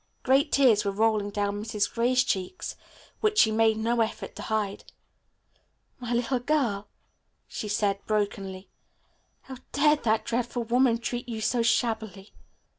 Great tears were rolling down Mrs. Gray's cheeks which she made no effort to hide. "My little girl," she said brokenly. "How dared that dreadful woman treat you so shabbily?"